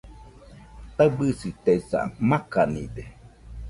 Taɨbɨsitesa , makanide